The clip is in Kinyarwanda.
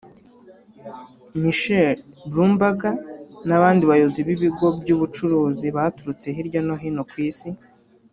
Michael Bloomberg n’abandi bayobozi b’ibigo by’ubucuruzi baturutse hirya no hino ku Isi